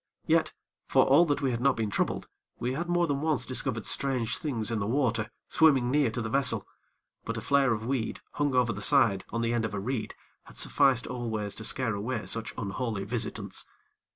Yet, for all that we had not been troubled, we had more than once discovered strange things in the water swimming near to the vessel; but a flare of weed, hung over the side, on the end of a reed, had sufficed always to scare away such unholy visitants.